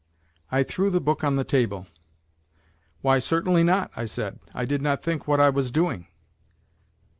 I threw the book on the table. "Why, certainly not," I said, "I did not think what I was doing."